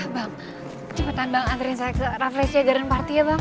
bang cepetan bang antarin saya ke rafflesia garden party ya bang